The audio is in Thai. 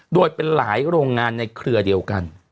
โดยเป็นหลายโรงงานในเครือเดียวกัน